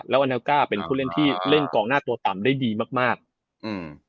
แล้วอนาลก้าเป็นผู้เล่นที่เล่นกองหน้าตัวต่ำได้ดีมากมากอืม